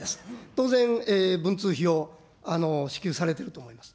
当然、文通費を支給されてると思います。